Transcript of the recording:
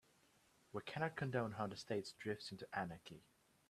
We cannot condone how the state drifts into anarchy.